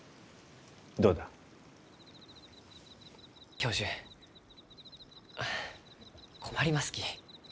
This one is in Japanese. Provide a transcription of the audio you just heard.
教授あ困りますき。